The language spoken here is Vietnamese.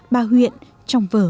ba huyện trong vở